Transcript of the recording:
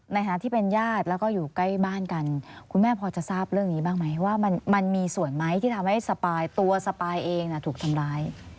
ในฐานะที่เป็นญาติแล้วก็อยู่ใกล้บ้านกันคุณแม่พอจะทราบเรื่องนี้บ้างไหมว่ามันมีส่วนไหมที่ทำให้สปายตัวสปายเองถูกทำร้าย